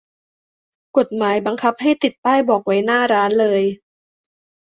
กฎหมายบังคับให้ติดป้ายบอกไว้หน้าร้านเลย